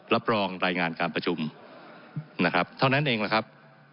รับรองรายงานการประชุมนะครับเท่านั้นเองล่ะครับ